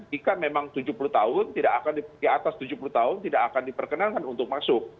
jika memang tujuh puluh tahun tidak akan di atas tujuh puluh tahun tidak akan diperkenankan untuk masuk